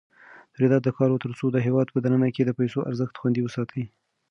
تولیدات وکاروه ترڅو د هېواد په دننه کې د پیسو ارزښت خوندي وساتې.